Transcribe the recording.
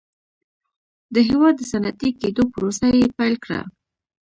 د هېواد د صنعتي کېدو پروسه یې پیل کړه.